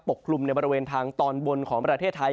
กลุ่มในบริเวณทางตอนบนของประเทศไทย